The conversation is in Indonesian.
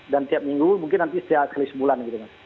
dan tiap minggu mungkin nanti setiap kali sebulan gitu mas